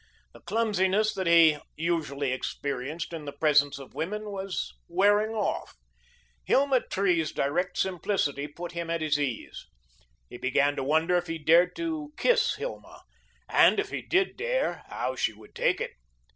The clumsiness that he usually experienced in the presence of women was wearing off. Hilma Tree's direct simplicity put him at his ease. He began to wonder if he dared to kiss Hilma, and if he did dare, how she would take it.